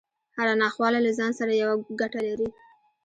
هره ناخواله له ځان سره يوه ګټه لري.